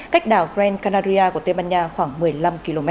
cách đảo brand canaria của tây ban nha khoảng một mươi năm km